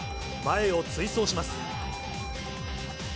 前を追走します。